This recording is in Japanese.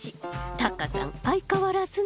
タカさん相変わらずね。